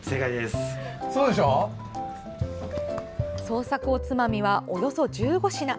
創作おつまみはおよそ１５品。